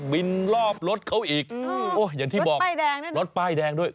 รอบรถเขาอีกโอ้อย่างที่บอกรถป้ายแดงด้วย